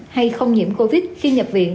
hay không nhiễm covid khi nhập viện